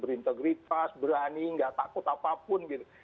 berintegritas berani gak takut apapun gitu